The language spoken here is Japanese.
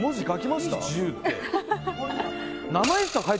１０って。